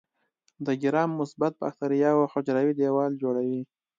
د ګرام مثبت باکتریاوو حجروي دیوال جوړوي.